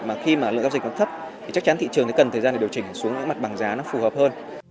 mà khi mà lượng giao dịch nó thấp thì chắc chắn thị trường cần thời gian để điều chỉnh xuống những mặt bằng giá nó phù hợp hơn